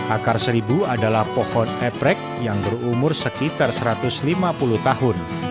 akar seribu adalah pohon eprek yang berumur sekitar satu ratus lima puluh tahun